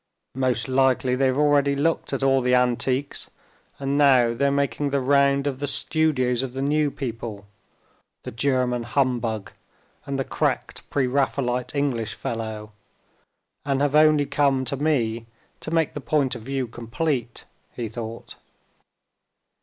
"Most likely they've already looked at all the antiques, and now they're making the round of the studios of the new people, the German humbug, and the cracked Pre Raphaelite English fellow, and have only come to me to make the point of view complete," he thought.